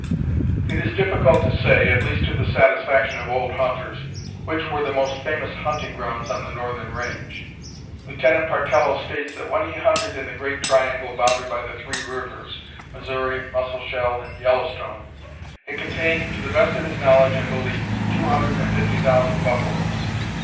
It is difficult to say (at least to the satisfaction of old hunters) which were the most famous hunting grounds on the northern range. Lieutenant Partello states that when he hunted in the great triangle bounded by the three rivers, Missouri, Musselshell, and Yellowstone, it contained, to the best of his knowledge and belief, two hundred and fifty thousand buffaloes.